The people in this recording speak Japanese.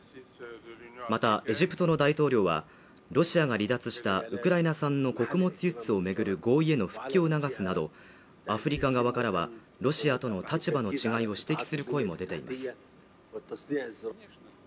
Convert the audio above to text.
またエジプトの大統領はロシアが離脱したウクライナ産の穀物輸出を巡る合意への復帰を促すなどアフリカ側からはロシアとの立場の違いを指摘する声も出ています